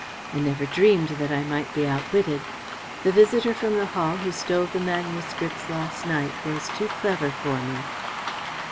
I never dreamed that I might be outwitted. The visitor from the Hall who stole the manuscripts last night was too clever for me.